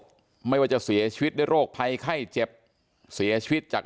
ไม่ว่าจะเสียชีวิตด้วยโรคภัยไข้เจ็บเสียชีวิตจาก